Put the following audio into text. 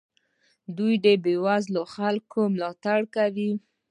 دوی له بې وزلو خلکو ملاتړ کوي.